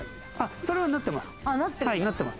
それはなってます。